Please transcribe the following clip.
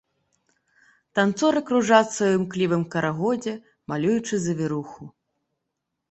Танцоры кружацца ў імклівым карагодзе, малюючы завіруху.